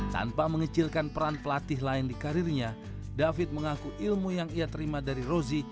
tanpa mengecilkan peran pelatih lain di karirnya david mengaku ilmu yang ia terima dari rozi